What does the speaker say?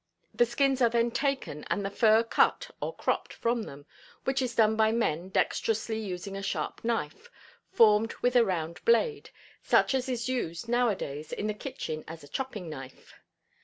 The skins are then taken and the fur cut or "cropped" from them, which is done by men dexterously using a sharp knife, formed with a round blade, such as is used now a days in the kitchen as a "chopping knife."